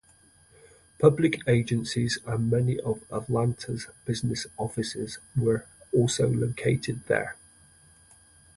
Public agencies and many of Atlanta's business offices were also located there.